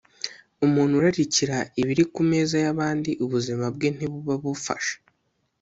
Umuntu urarikira ibiri ku meza y’abandi, ubuzima bwe ntibuba bufashe;